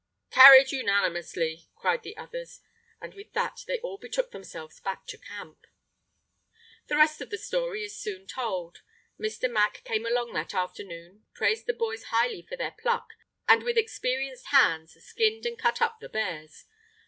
"Carried unanimously!" cried the others, and with that they all betook themselves back to camp. The rest of the story is soon told. Mr. Mack came along that afternoon, praised the boys highly for their pluck, and with experienced hands skinned and cut up the bears.